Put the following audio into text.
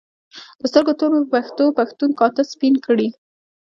د سترګو تور مې په پښتو پښتون کاته سپین کړي